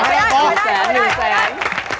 อยู่แสน